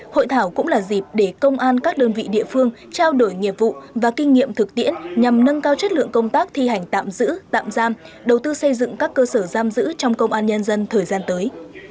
hội thảo cũng là dịp để công an các đơn vị địa phương trao đổi nghiệp vụ và kinh nghiệm thực tiễn nhằm nâng cao chất lượng công tác thi hành tạm giữ tạm giam đầu tư xây dựng các cơ sở giam giữ trong công an nhân dân thời gian tới